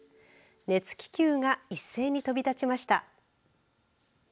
熱気球が一斉に飛び立ちました。